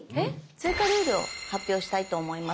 追加ルールを発表したいと思います。